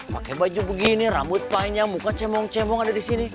pakai baju begini rambut panjang muka cemong cembong ada di sini